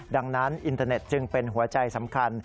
ดังนั้นอินเทอร์เน็ตจึงเป็นหัวใจสำคัญ